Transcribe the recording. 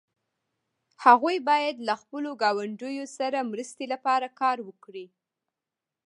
هغوی باید له خپلو ګاونډیو سره مرستې لپاره کار وکړي.